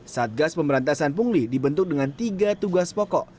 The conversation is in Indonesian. satgas pemberantasan pungli dibentuk dengan tiga tugas pokok